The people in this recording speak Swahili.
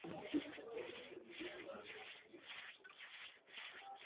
Ndipo Yesu naye alipoanza kuhubiri lakini pia kutenda miujiza ya kila aina